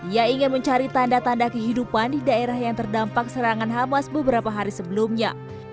ia ingin mencari tanda tanda kehidupan di daerah yang terdampak serangan hamas beberapa hari sebelumnya